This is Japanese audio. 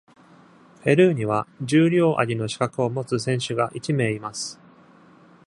ペルーには、重量挙げの資格を持つ選手が一名います。